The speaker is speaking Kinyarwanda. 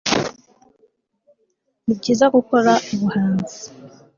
Nibyiza gukora ubuhanzi